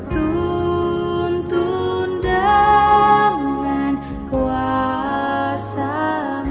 tuntun dengan kuasa tuhan